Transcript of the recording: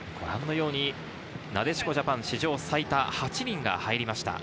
なでしこジャパン史上最多８人が入りました。